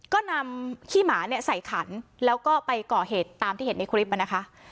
ก็นำขี้หมาเนี่ยใส่ขันแล้วก็ไปก่อเหตุตามที่เห็นในคลิปนะคะ